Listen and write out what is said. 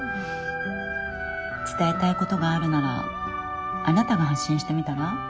伝えたいことがあるならあなたが発信してみたら？